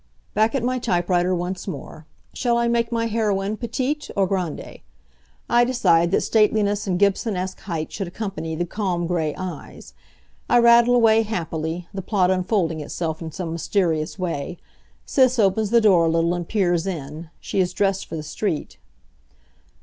Back at my typewriter once more. Shall I make my heroine petite or grande? I decide that stateliness and Gibsonesque height should accompany the calm gray eyes. I rattle away happily, the plot unfolding itself in some mysterious way. Sis opens the door a little and peers in. She is dressed for the street.